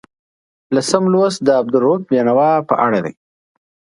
لسم لوست د عبدالرؤف بېنوا په اړه دی.